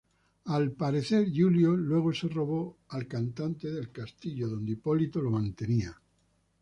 Al parecer, Giulio luego 'se robó' al cantante del castillo donde Hipólito lo mantenía.